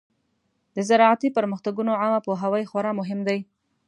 د زراعتي پرمختګونو عامه پوهاوی خورا مهم دی.